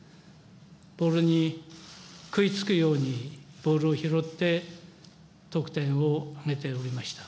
ボールに食いつくようにボールを拾って得点を挙げておりました。